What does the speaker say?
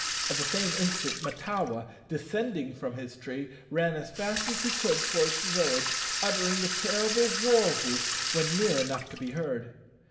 At the same instant Mahtawa, descending from his tree, ran as fast as he could towards the village, uttering the terrible war whoop when near enough to be heard.